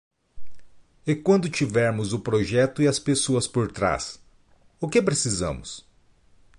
E quando tivermos o projeto e as pessoas por trás, o que precisamos?